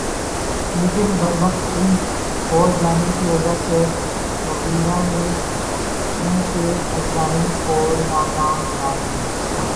لیکن بروقت علم ہو جانے کی وجہ سے مغیرہ نے ان کے عزائم کو ناکام بنا دیا۔